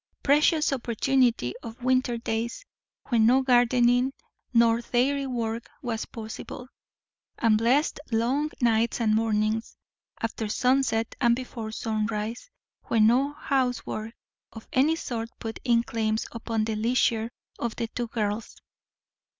Precious opportunity of winter days, when no gardening nor dairy work was possible! and blessed long nights and mornings, after sunset and before sunrise, when no housework of any sort put in claims upon the leisure of the two girls.